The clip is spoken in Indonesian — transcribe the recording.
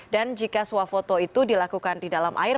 dan jika suah foto itu dilakukan di dalam air